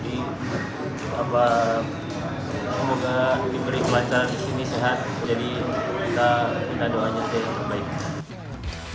semoga diberi pelancaran disini sehat jadi kita doanya jadi baik